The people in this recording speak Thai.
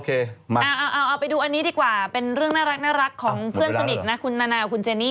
เอาไปดูอันนี้ดีกว่าเป็นเรื่องน่ารักของเพื่อนสนิทนะคุณนานาคุณเจนี่